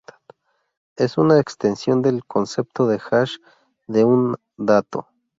Es una extensión del concepto de hash de un dato.